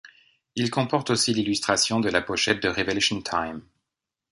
Il comporte aussi l'illustration de la pochette de Revelation Time.